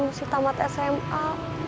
masih tamat sma